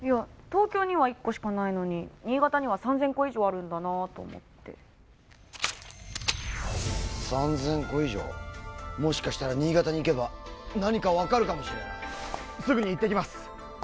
東京には１個しかないのに新潟には３０００個以上あるんだなと思って３０００個以上もしかしたら新潟に行けば何か分かるかもしれないすぐに行ってきます